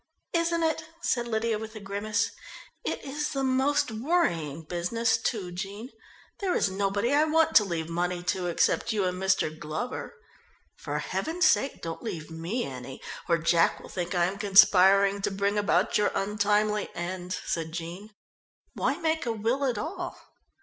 "Isn't it," said Lydia with a grimace. "It is the most worrying business, too, Jean. There is nobody I want to leave money to except you and Mr. Glover." "For heaven's sake don't leave me any or Jack will think I am conspiring to bring about your untimely end," said Jean. "Why make a will at all?"